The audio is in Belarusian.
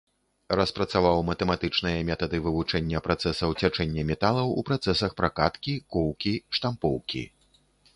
Распрацаваў матэматычныя метады вывучэння працэсаў цячэння металаў у працэсах пракаткі, коўкі, штампоўкі.